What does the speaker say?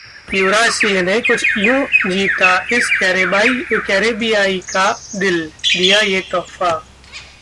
युवराज सिंह ने कुछ यूं जीता इस कैरेबियाई का दिल, दिया ये तोहफा